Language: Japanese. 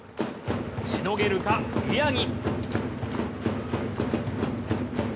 しのげるか、宮城。